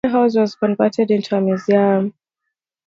McCrae House was converted into a museum.